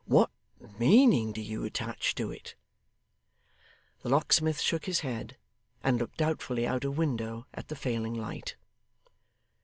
'What meaning do you attach to it?' The locksmith shook his head, and looked doubtfully out of window at the failing light.